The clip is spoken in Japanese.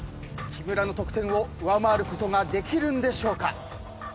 木村の得点を上回ることができるんでしょうか。